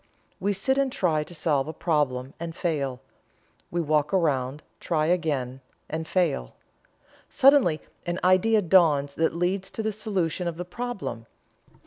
We sit and try to solve a problem, and fail. We walk around, try again, and fail. Suddenly an idea dawns that leads to the solution of the problem.